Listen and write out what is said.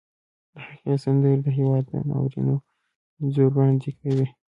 د هغې سندرې د هېواد د ناورینونو انځور وړاندې کوي